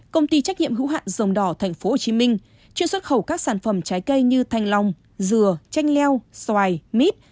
công ty trách nhiệm hữu hạn dòng đỏ tp hcm chuyên xuất khẩu các sản phẩm trái cây như thanh long dừa chanh leo xoài mít